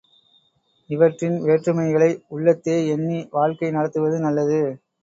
இவற்றின் வேற்றுமைகளை உள்ளத்தே எண்ணி, வாழ்க்கை நடத்துவது நல்லது.